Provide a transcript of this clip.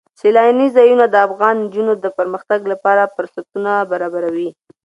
سیلانی ځایونه د افغان نجونو د پرمختګ لپاره فرصتونه برابروي.